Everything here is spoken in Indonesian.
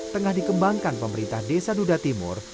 tengah dikembangkan pemerintah desa duda timur